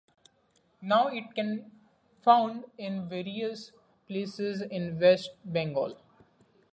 Now it can found in various places in West Bengal.